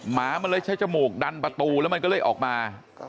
หมามันเลยใช้จมูกดันประตูแล้วมันก็เลยออกมา